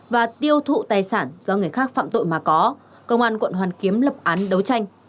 và tiêu thụ tài sản do người khác phạm tội mà có công an quận hoàn kiếm lập án đấu tranh